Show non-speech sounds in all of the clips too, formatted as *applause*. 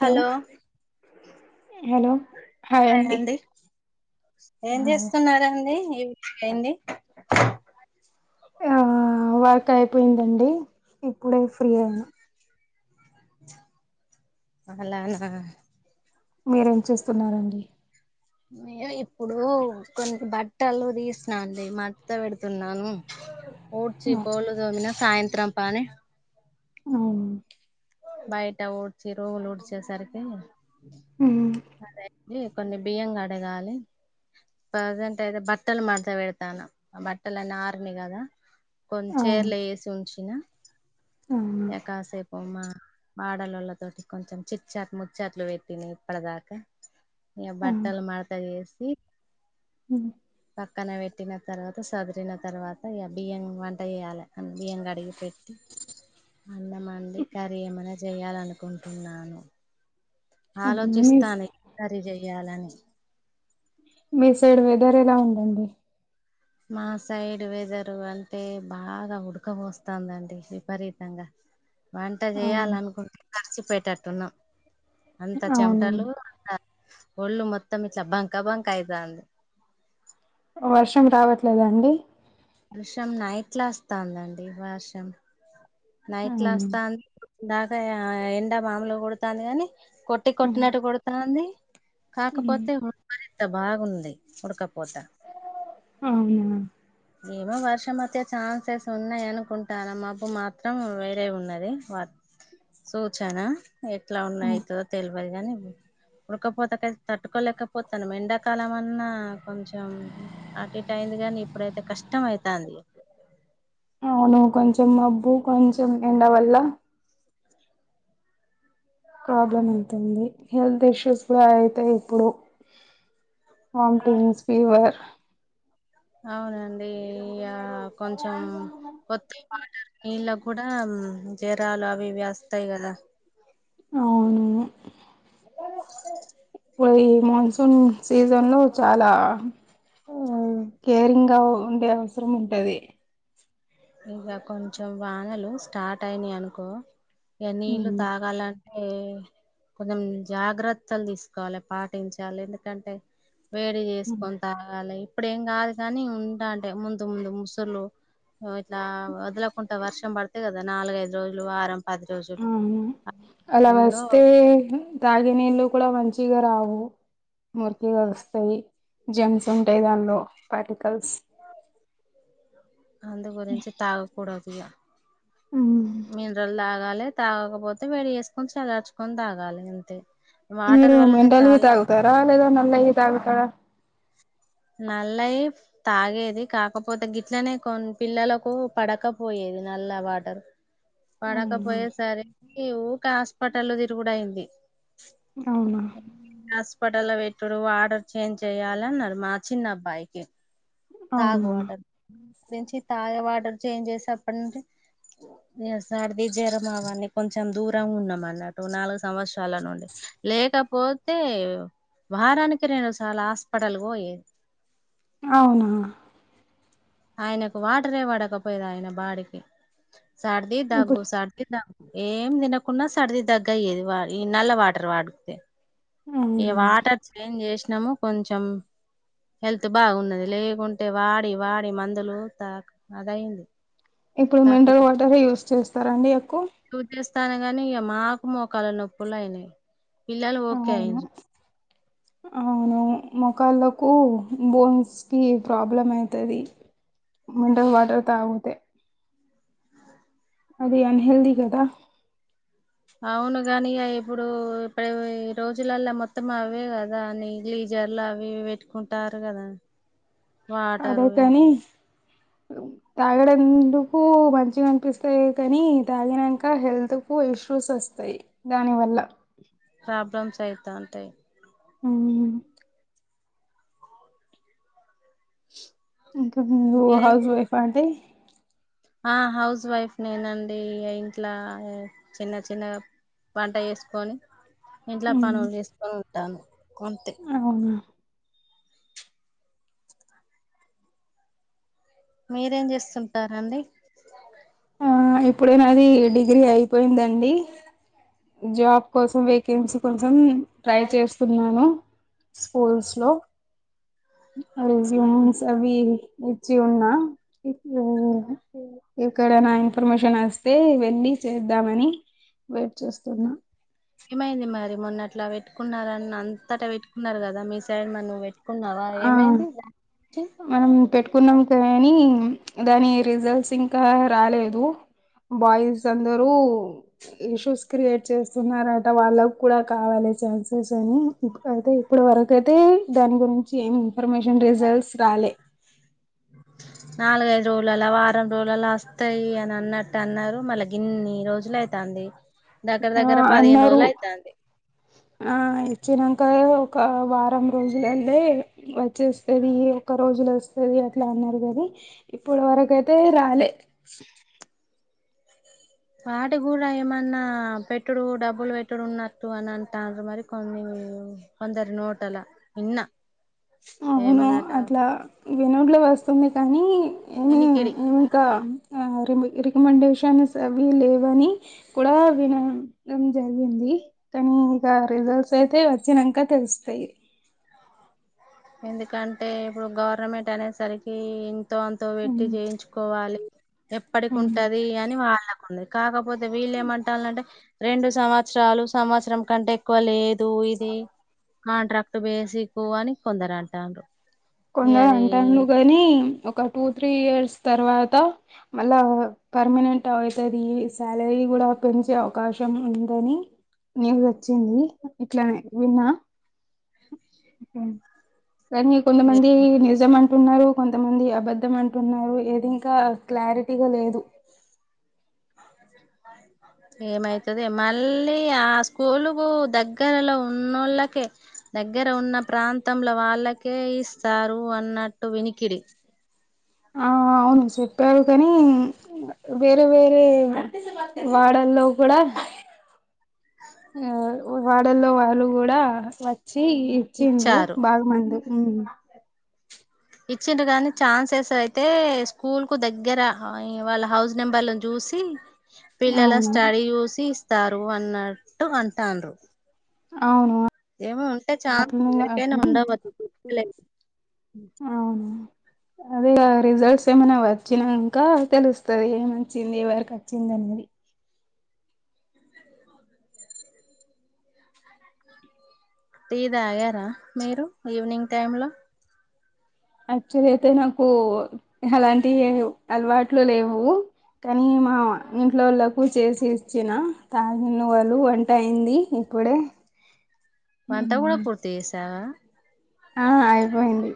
Hello hello hi అండి ఏం hi చేస్తున్నార్ అండి ఏ ఏంది ఆ వర్క్ అయిపోయిందండి ఇప్పుడే ఫ్రీ అయినా అలానా మీరేం చేస్తున్నారండి ఇప్పుడు కొన్ని బట్టలు తీసినండి మడత పెడుతున్నాను ఊడ్చి బోళ్ళు తోమిన సాయంత్రం పని అవున బయట ఊడ్చి రూములు ఊడిచేసరికి ఉ అదండీ కొన్ని బియ్యం కడగాలి ప్రెసెంట్ అయితే బట్టలు మడత పెడతాను బట్టలు అన్నీ ఆరినై కదా కొన్ని ఆ చేర్ల వేసి ఉంచిన అవునా ఎ కాసేపు ఉమా వాడలోళ్ళతోటి కొంచెం చిచాట్ ముచ్చట్లు పెట్టినా ఇప్పటిదాకా ఇగ ఆ బట్టలు మడత వేసి ఉ పక్కన పెట్టిన తర్వాత సదిరిన తర్వాత ఇగ బియ్యం వంట చేయాలి బియ్యం కడిగి పెట్టి అన్నమండి కరీ ఏమైనా చేయాలనుకుంటున్నాను అవునా మీ ఆలోచిస్తానై ఏ కర్రీ చెయ్యాలని మీ సైడ్ వెదర్ ఎలా ఉండండి మా సైడ్ వెదరు అంటే బాగా ఉడకపోస్తుందండి విపరీతంగ వంట అవును చేయాలనుకుంటే తడిసిపోయేటట్టు ఉన్నాం అంత అవును చెమటలు అంత ఒళ్ళు మొత్తం ఇట్లా బంక బంక అయితంది వర్షం రావట్లేదండి వర్షం నైట్లా వస్తందండి వర్షం నైట్ లో అవును వస్తాంది ఇందాకా ఎండ మాములు కుడుతాంది గాని కొట్ పట్టి కొట్టినట్టు కొడుతుంది కాకపోతే ఉబరిత బాగుంది ఉడకపోత అవున ఏమో వర్షం అస్తే ఛాన్సెస్ ఉన్నాయ అనుకుంటాన మబ్బు మా మాత్రం వేరే ఉన్నది వాత్ సూచన ఎట్లా ఉన్నాయి తో తెలవదు గానీ ఉడకపోతేకయితె తట్టుకోలేకపోతాను ఎండాకాలం అన్నా కొంచెం అటు ఇటు అయింది గాని ఇప్పుడైతే కష్టం అయితంది అవును కొంచెం మబ్బు కొంచెం ఎండ వల్ల ప్రాబ్లమ్ అవుతుంది హెల్త్ ఇష్యూస్ కూడా అయితయి ఇప్పుడు వాంటిన్స్ ఫీవర్ అవునండి ఇగ కొంచెం కొత్త వాటర్ నీళ్ళ కూడా జరాలు అవి ఇవి వస్తాయి కదా అవును ఇప్పుడు ఈ మాన్సూన్ సీజన్ లో చాలా కేరింగ్ గా ఉండే అవసరం ఉంటది ఇక కొంచెం వానలు స్టార్ట్ అయినాయి అనుకో ఇక నీళ్లు హ్మ్. తాగాలంట ఏ కొంచెం జాగ్రత్తలు తీసుకోవాలి పాటించాలి ఎందుకంటే వేడి హ్మ్. చేసుకొని తాగాలి ఇప్పుడేం కాదు కానీ ఉంటా అంటే ముందు ముందు ముసళ్లు ఒ ఇట్లా వదలకులకుండా వర్షం పడితే కదా నాలుగైదు రోజులు వారం పది రోజులు ఆవును ఆ అలా టైంలో వస్తే తాగినీళ్ళు కూడా మంచిగా రావు మురికి కలుస్తాయి జమ్స్ ఉంటాయి దానిలో పార్టికల్స్ అంత గురించి తాగకూడదు ఇగ హ్మ్. మినరల్ తాగాలి తాగకపోతే వేడి వేసుకొని చలార్చుకొని తాగాలి అంతే వాటర్ మీరు వల్లనే మినరల్ ఇ చాలా తాగుతారా లేద నల్లయి తాగుతారా నల్ల ఇఫ్ తాగేది కాకపోతే గిట్లనే కొన్ని పిల్లలకు పడకపోయేది నల్ల వాటర్ అవునా పడకపోయే సరికి ఊక హాస్పిటల్ తిరుగుడు ఐయింది అవునా హాస్పిటల్ పెట్టుడు వార్డర్ చేంజ్ చెయ్యాలి అన్నారు మా చిన్న అబ్బాయికి తాగు అవునా వాటర్ గురించి తాగ వాటర్ చేంజ్ చేసేప్పడు నుంచి ఇగ సర్ది జరమావని కొంచెం దూరంగ ఉన్నమన్నట్ టు నాలుగు సంవత్సరాల నుండి లేకపోతే తే వారానికి రెండు సార్ల హాస్పిటల్ పోయేది అవునా ఆయనకు వాటరే పడకపోయది ఆయన బాడికి సర్ది ఇప్పుడు దగ్గు సర్ది దగ్గు ఏం తినకుండా సర్ది దగ్గ అయ్యేది ఇ వా ఈ నల్ల వాటర్ వాడితే ఇగ అవునా వాటర్ చేంజ్ చేసినాము కొంచం హెల్త్ బాగున్నది లేకుంటే వాడి వాడి మందులు త అదయింది ఇప్పుడు మినరల్ వాటరే యూజ్ చేస్తారండి ఎక్కు చూ చేస్తాను అనగానే ఇక మాకు మోకాల నొప్పులు అయినాయి పిల్లలు ఓకే అయిన అవునవును మోకాళ్ళకు బోన్స్ కి ప్రాబ్లం అయితుది మినరల్ వాటర్ తాగితే అది అన్ హెల్ది కదా అవును గాని ఇప్పుడు ఇప్పుడు రోజులలా మొత్తం అవే కదా అ నీలు జల్ అవి ఇవి పెట్టుకుంటారు కదా అదే వాటర్ కాని తాగడందుకు మంచిగా అనిపిస్తాయి కాని తాగినాక హెల్త్ ఎక్కువ ఇష్యూస్ వస్తాయి దానివల్ల ప్రాబ్లమ్స్ అయిత ఉంటాయి అ ఇంకా మీరు మీరేం హౌస్ చే- వైఫ్ అండి ఆ హౌస్ వైఫ్ నేనండి ఇంట్లా చిన్న చిన్నగా వంట చేసుకొని ఇంట్లో ఉమ్ పనులు చేసుకొని ఉంటాను అంతే అవున మీరేం చేస్తుంటారా అండి ఆ ఇప్పుడేనాది డిగ్రీ అయిపోయిందండి జాబ్ కోసం వేకెన్సీ కోసం ట్రై చేస్తున్నాను స్కూల్స్ లో రెస్యూమ్స్ అవి ఇవి ఇచ్చి ఉన్నా ఓ *unintelligible* ఎక్కడైన ఇన్ఫర్మేషన్ వస్తే వెళ్ళి చేద్దామని వెయిట్ చేస్తున్నా ఏమైంది మరి మొన్న అట్లా పెట్టుకున్నారని అంతటా పెట్టుకున్నారు కదా మీ సైడ్ మ ను్ కున్నావా ఆ ఏమైంది మనం పెట్టుకున్నాం కానీ దాని రిజల్ట్స్ ఇంకా రాలేదు బాయ్స్ అందరూ ఇష్యూస్ క్రియేట్ చేస్తున్నారట వాళ్ళకు కూడా కావాలే ఛాన్సెస్ అని అయితే ఇప్పుడు వరకు అయితే దాని గురించి ఏమి ఇన్ఫర్మేషన్ రిజల్ట్స్ రాలే నాలుగైదు రోజులలా వారం రోజులలా వస్తాయి అని అన్నట్టు అన్నారు మళ్ళ గిన్ని రోజులు అయితంది దగ్గర ఆ దగ్గర పదిహేను అన్నారు రోజులు అయితంది ఆ ఇచ్చిన్నంక ఒక వారం రోజులల్లే వచ్చేస్తది ఒక రోజులు వస్తది అట్లా అన్నారు కనీ ఇప్పుడు వరకైతే రాలే వాటి కూడా ఏమన్నా పెట్టుడు డబ్బులు పెట్టుడు ఉన్నట్టు అని అంటన్నారు మరి కొన్ని కొందరి నోటలా ఇన్న అవున అట్లా ఇగ నోట్లోకి వస్తుంది కానీ ఏమి ఎనికిడి ఇంకా ఆ రి రికమెండేషన్స్ అవి లేవని కూడా వినడం జరిగింది కానీ ఇంక రిజల్ట్స్ అయితే వచ్చినంక తెలుస్తాయి ఎందుకంటే ఇప్పుడు గవర్నమెంట్ అనేసరికి ఇంతో అం తో పెట్టి ఉమ్, చేయించుకోవాలి ఎప్పటికి ఉమ్. ఉంటది అని వాళ్ళకు ఉన్న కాకపోతే వీళ్ళ ఏమంటాలంటే రెండు సంవత్సరాలు సంవత్సరం కంటే ఎక్కువ లేదు ఇది కాంట్రాక్ట్ బేసిక్ అని కొందరు అంటండ్రు కొందరు అంట *unintelligible* గానీ ఒక టూ త్రీ ఇయర్స్ తర్వాత మళ్ళా పర్మనెంట్ అ అవుతది శాలరీ కూడా పెంచే అవకాశం ఉందని నేరు వచ్చింది ఇట్లానే విన్న కానీ కొంతమంది నిజం అం టున్నారు కొంతమంది అబద్ధం అంటున్నారు ఏది ఇంకా క్లారిటీగా లేదు ఏమైతదో మళ్ళీ ఆ స్కూలుకు దగ్గరలో ఉన్నోళ్ళకే దగ్గర ఉన్న ప్రాంతంలో వాళ్ళకే ఇస్తారు అన్నట్టు వినికిడి ఆ అవును చెప్పారు కానీ వేరే వేరే వాడల్లో కూడ ఆ వాడల్లో వాళ్ళు కూడ వచ్చి వచ్చిండు ఇచ్చారు *unintelligible* మంది ఉ ఇచ్చిండు కానీ ఛాన్సెస్ అయితే స్కూల్ కు దగ్గర వాళ్ళ హౌస్ నెంబర్లను చూసి పిల్లల అవును స్టడీ చూసి ఇస్తారు అన్నట్టు అంటండ్రు అవును ఏమో ఉంటే ఛాన్స్ అట్లనే ఎవరికైనా కాకుండా *unintelligible* అవును అదే రిజల్ట్స్ ఏమైన వచ్చినక తెలుస్తది ఎం వచ్చింది ఎవరికి వచ్చింది *unintelligible* టీ తాగర మీరు ఈవినింగ్ టైమ్ లో యాక్చువలీ అయితే నాకు అలాంటి అలవాట్లు లేవు కానీ మా ఇంట్లో వాళ్ళలకు చేసి ఇచ్చిన తాగిన వాలు వంట అయింది ఇప్పుడే వంట గూడ పూర్తి చేసావ ఆ అయిపోయింది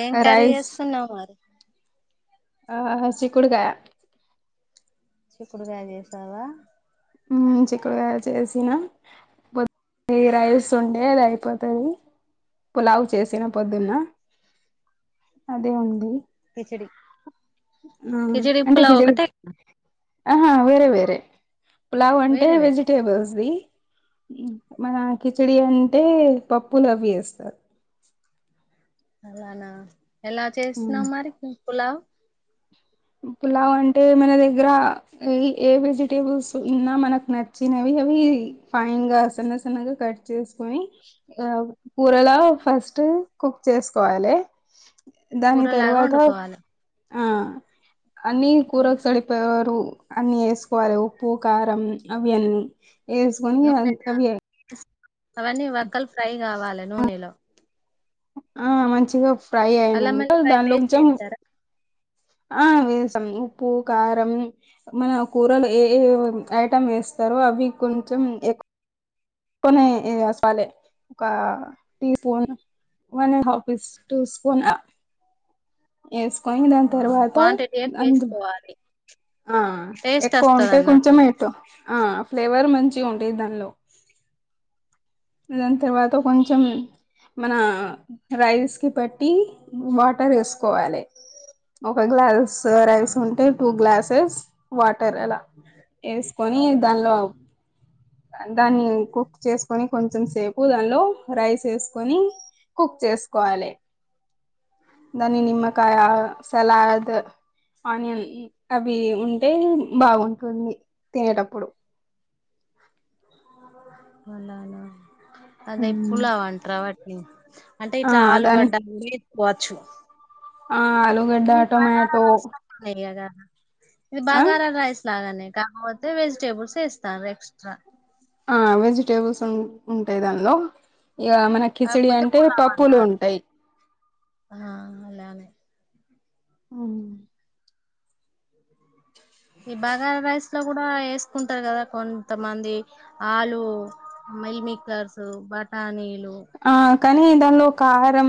ఏం కర్రీ రైస్ చేస్తున్నావు మరి హా చిక్కుడుకాయ చిక్కుడుగాయ చేసావ హు చిక్కుడుగాయ చేసిన ద్ రైస్ ఉండే అది అయిపోతది పులావు చేసిన పొద్దున్న అదే ఉంది కిచిడి ఆ కిచిడి అంటే పులావ్ కిచడి ఒకటే ఆహా వేరే వేరే పులావ్ అంటే వేరు వేరు వెజి టేబుల్స్ మన కిచడి అంటే పప్పులు అవి వేస్తారు అలానా ఎలా చేస్తున్నావు మరి పులావు పులావ్ అంటే మన దగ్గర ఏ ఏ వెజిటేబుల్స్ ఉన్నా మనకు నచ్చినవి అవి ఫైన్ గా సన్న సన్నగా కట్ చేసుకొని ఆ కూరల ఫస్ట్ కుక్ చేసుకోవాలే దాని కూరలాగా తర్వాత వండుకోవాలి ఆ అన్ని కూరకు చడిపోయవారు అన్ని వేసుకోవాలి ఉప్పు కారం అవి అన్నీ ఏసుకొని నూనె *unintelligible* అవన్నీ వక్కలు ఫ్రై కావాలి నూనెలో ఆ మంచిగా ఫ్రై అల్లం అయినక ఎల్లిపాయ దాన్ పేస్ట్ లోచం వేస్తారా ఆ విసం ఉప్పు కారం. మన కూరలు ఏ ఏ ఐటం వేస్తారో అవి కొంచెం ఎక్ కొనే వసాలే ఒక టీ స్పూన్ వన ఆఫీస్ టూ స్ఫూనా ఏస్కొనీ దాని ఆ, తర్వాత క్వాంటిటీ ఎక్కువ అందు వేసుకోవాలి ఆ టేస్ట్ ఎక్కువ వస్తది ఉంటే అన్నట్టు కొంచం ఏటో ఆ ఫ్లేవర్ మంచి ఉండేద్ దానలో దాని తర్వాత కొంచెం మన రైస్ కి పెట్టి వాటర్ ఏసుకోవాలే. ఒక గ్లాస్ ఆ, రైస్ ఉంటే టూ గ్లాసెస్ వాటర్ ఎలా ఏసుకొని దానలో దాన్ని కుక్ చేసుకొని కొంచెం సేపు దానలో రైస్ ఏసుకొని కుక్ చేసుకోవాలే దాని నిమ్మకాయ సలాదో ఆనియన్ అవి ఉంటే బావుంటుంది తినేటప్పుడు పలానా ఉ అదే పులావ్ అంట్రా వాట్ని అంటే ఆ ఇట్లా దాని ఆలుగడ్డా ఏచ్చుకోవచ్చు ఆ ఆలూగడ్డ టొమాటో రైస్ ఇది ఆ బగారా రైస్ లాగానే కాకపోతే వెజిటేబుల్స్ ఎస్ తర్ ఎక్స్ట్రా ఆ వెజిటేబుల్స్ ఉన్ ఉంటాయి దానలో ఇగా మనక్ కిచిడి కాకపోతే అంటే పప్పులు ఉంటాయ్. ఆహా అలానే ఉహుహ్ లేత జిలేబి ఈ బగర్ రైస్ లో కూడా ఏసుకుంటారు గదా కొంతమంది ఆలు మెల్ మికర్సు బటానీలు ఆ కానీ దానిలో కారం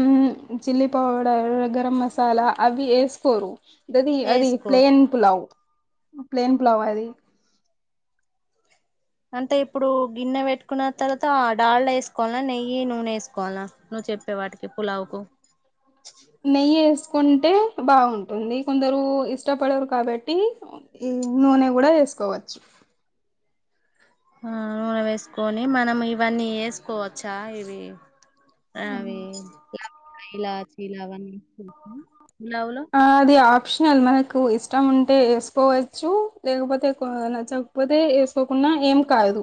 చిల్లీ పౌడర్ గరం మసాలా అవి ఎస్ పోరు దది అది వేసుకోరు ప్లేన్ పులావ్ ప్లేన్ పులావ్ అది. అంటే ఇప్పుడు గిన్నె పెట్టుకున్న తర్వాత డాల్డ్ ఏసుకోవాలా నెయ్యి నూనె ఏసుకోవాలా నువ్వు చెప్ పే వాట్ పులావ్కు నెయ్యి ఏసుకుంటే బావుంటుంది. కొందరు ఇష్టపడరు కాబట్టి ఈ నూనె కూడా ఏసుకోవచ్చు. ఆ నూనె వేసుకొని మనం ఇవన్నీ ఏసుకోవచ్చా ఇవి అవి యాభైలా చిలా గులావులో ఆ అది ఆప్షనల్ అద్ మనకు ఇష్టం ఉంటే ఏసుకోవచ్చు లేకపోతే కొ నచ్చక్ పోతే ఏసుకోకున్నా ఏం కాదు.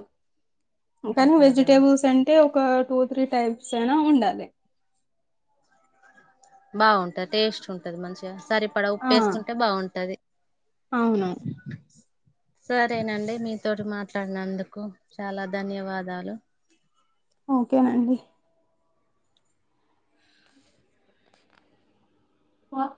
కానీ కాదా వెజిటేబుల్స్ అంటే ఒక టూ త్రీ టైప్స్ అయినా ఉండాలే బావుంటది టేస్ట్ ఉంటది మంచిగా సరిపడా ఆ ఉప్పేసుకుంటే బావుంటది. అవును సరేనండి మీతోటి మాట్లాడినందుకు చాలా ధన్యవాదాలు ఓకేనండి పోవ్